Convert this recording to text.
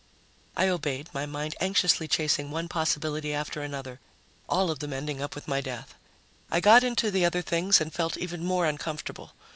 I obeyed, my mind anxiously chasing one possibility after another, all of them ending up with my death. I got into the other things and felt even more uncomfortable.